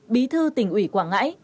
bí thư tỉnh ủy quảng ngãi